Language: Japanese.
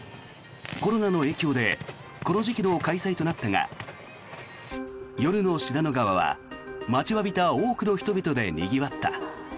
コロナの影響でこの時期の開催となったが夜の信濃川は待ちわびた多くの人々でにぎわった。